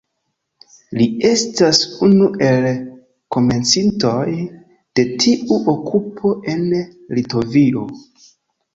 Li estas unu el komencintoj de tiu okupo en Litovio.